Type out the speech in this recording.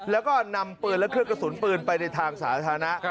แล้วก็นำปืนและเครื่องกระสุนปืนไปในทางสาธารณะ